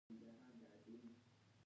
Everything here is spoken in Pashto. او هغوی په درملو هم پوهیدل